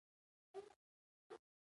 احمد چې سوداګر شو؛ غوا يې لنګه شوه.